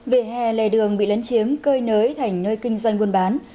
vỉa hè lề đường bị lấn chiếm cơi nới thành nơi kinh doanh buôn bán